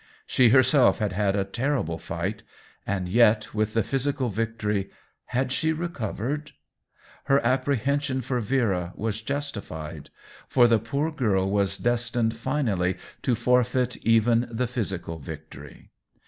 She herself had had a ter rible fight — and yet, with the physical vic tory, had she recovered ?' Her apprehen sion for Vera was justified, for the poor girl was destined finally to forfeit even the physical victory.